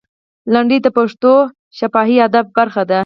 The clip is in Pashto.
لنډۍ د پښتو شفاهي ادب برخه ده.